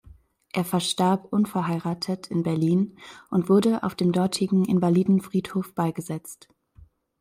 Er verstarb unverheiratet in Berlin und wurde auf dem dortigen Invalidenfriedhof beigesetzt.